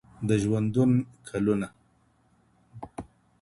د ژوندون کلونه